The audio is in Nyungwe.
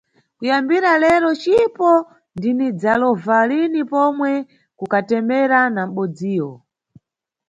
Kuyambira lero cipo ndinidzalova lini pomwe ku katemera na mʼbodziyo.